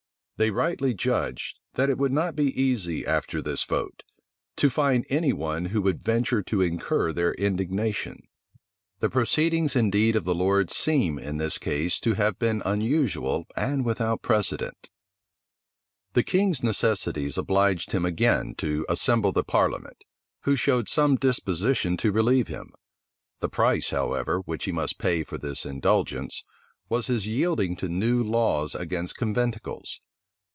They rightly judged, that it would not be easy, after this vote, to find any one who would venture to incur their indignation. The proceedings indeed of the lords seem in this case to have been unusual and without precedent. {1669.} The king's necessities obliged him again to assemble the parliament, who showed some disposition to relieve him. The price, however, which he must pay for this indulgence, was his yielding to new laws against conventicles.